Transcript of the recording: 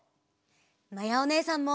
まやおねえさんも！